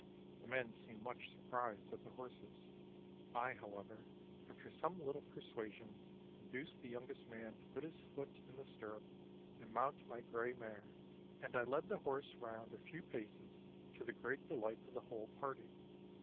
The men seemed much surprised at the horses. I, however, after some little persuasion, induced the youngest man to put his foot in the stirrup and mount my grey mare, and I led the horse round a few paces, to the great delight of the whole party.